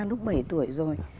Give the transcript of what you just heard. lúc bảy tuổi rồi